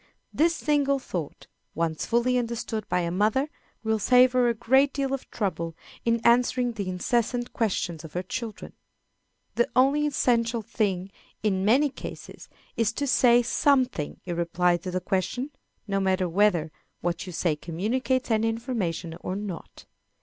This single thought, once fully understood by a mother, will save her a great deal of trouble in answering the incessant questions of her children. The only essential thing in many cases is to say something in reply to the question, no matter whether what you say communicates any information or not.